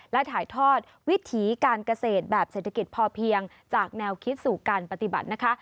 และถ่ายทอดวิถีการเกษตรแบบเศรษฐกิจพอเพียงจากแนวคิดสู่การปฏิบัตินะคะ